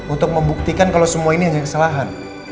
untuk membuktikan kalau semua ini hanya kesalahan